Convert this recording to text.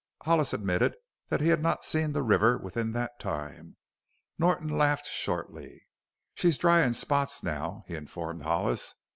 Hollis admitted that he had not seen the river within that time. Norton laughed shortly. "She's dry in spots now," he informed Hollis.